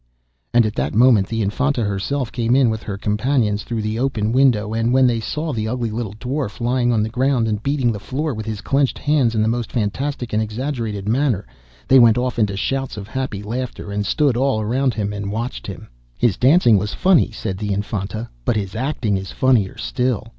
And at that moment the Infanta herself came in with her companions through the open window, and when they saw the ugly little dwarf lying on the ground and beating the floor with his clenched hands, in the most fantastic and exaggerated manner, they went off into shouts of happy laughter, and stood all round him and watched him. 'His dancing was funny,' said the Infanta; 'but his acting is funnier still.